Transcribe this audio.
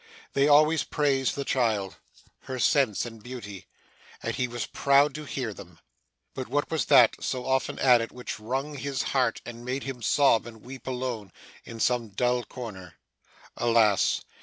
They always praised the child, her sense and beauty, and he was proud to hear them! But what was that, so often added, which wrung his heart, and made him sob and weep alone, in some dull corner! Alas!